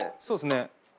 そうですね。